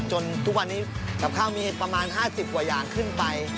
ทุกวันนี้กับข้าวมีประมาณ๕๐กว่าอย่างขึ้นไป